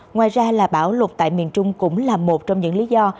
ngoài ra là bão lụt tại miền trung cũng là một trong những lý do